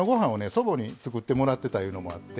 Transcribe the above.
祖母に作ってもらってたいうのもあって。